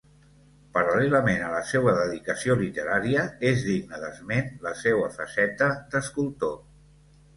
Paral·lelament a la seua dedicació literària, és digna d'esment la seua faceta d'escultor.